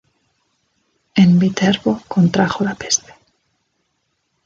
En Viterbo contrajo la peste.